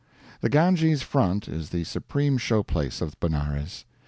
The Ganges front is the supreme show place of Benares.